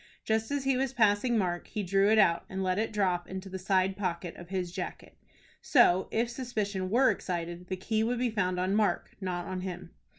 Just as he was passing Mark, he drew it out and let it drop into the side pocket of his jacket. So, if suspicion were excited, the key would be found on Mark, not on him.